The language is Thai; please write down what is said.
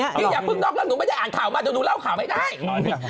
อีกอย่างเพิ่งนอกเรื่องนั้นหนูไม่ได้อ่านข่าวมาจะหนูเล่าข่าวให้ใช่ไหม